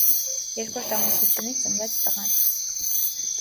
Երկրորդ ամուսնությունից ծնվեց տղան։